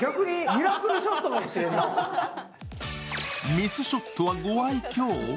ミスショットはご愛きょう